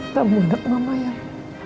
tentang anak mama yang